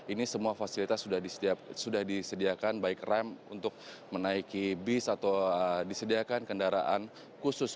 ini semua fasilitas sudah disediakan baik rem untuk menaiki bis atau disediakan kendaraan khusus